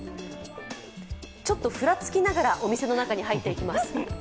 ちょっと、ふらつきながらお店の中に入っていきます。